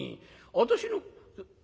私の。